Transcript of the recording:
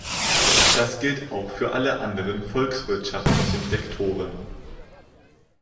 Das gilt auch für alle anderen volkswirtschaftlichen Sektoren.